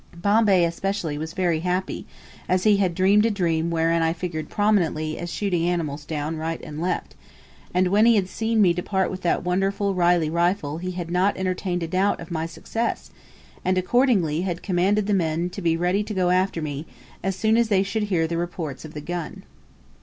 Bombay, especially, was very happy, as he had dreamed a dream wherein I figured prominently as shooting animals down right and left; and, when he had seen me depart with that wonderful Reilly rifle he had not entertained a doubt of my success, and, accordingly, had commanded the men to be ready to go after me, as soon as they should hear the reports of the gun.